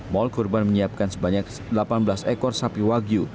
mal kurban menyiapkan sebanyak delapan belas ekor sapi wagyu